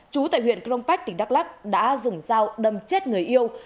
chú tại huyện cronpach tỉnh đắk lắk đã dùng dao đâm chết người yêu